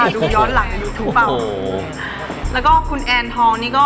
ดูทนน้ำกันแล้วจะคะดูย้อนหลังถูกปะ